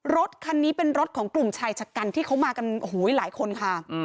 รถคันนี้เป็นรถของกลุ่มชายชะกันที่เขามากันโอ้โหหลายคนค่ะ